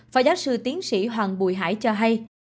phó giáo sư tiến sĩ hoàng bùi hải cho hay